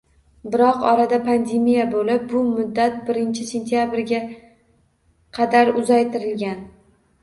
Biroq orada pandemiya bo‘lib, bu muddat birinchi sentyabrga qadar uzaytirilgan.